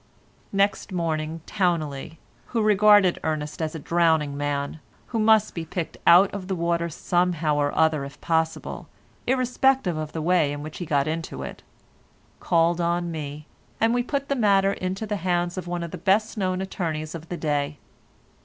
Next morning, Towneley—who regarded Ernest as a drowning man, who must be picked out of the water somehow or other if possible, irrespective of the way in which he got into it—called on me, and we put the matter into the hands of one of the best known attorneys of the day.